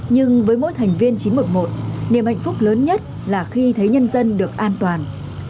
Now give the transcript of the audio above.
nhưng với mỗi thành viên chín trăm một mươi một niềm hạnh phúc lớn nhất là khi thấy nhân dân được an toàn